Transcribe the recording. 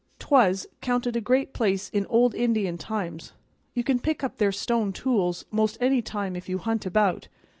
'Twas 'counted a great place in old Indian times; you can pick up their stone tools 'most any time if you hunt about.